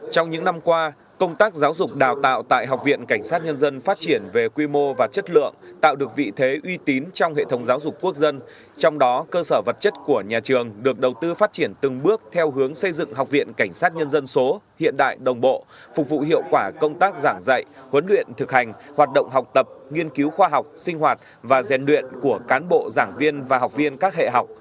trong những năm qua công tác giáo dục đào tạo tại học viện cảnh sát nhân dân phát triển về quy mô và chất lượng tạo được vị thế uy tín trong hệ thống giáo dục quốc dân trong đó cơ sở vật chất của nhà trường được đầu tư phát triển từng bước theo hướng xây dựng học viện cảnh sát nhân dân số hiện đại đồng bộ phục vụ hiệu quả công tác giảng dạy huấn luyện thực hành hoạt động học tập nghiên cứu khoa học sinh hoạt và rèn luyện của cán bộ giảng viên và học viên các hệ học